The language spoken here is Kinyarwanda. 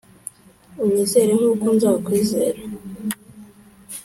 unyizere nkuko nzakwizera.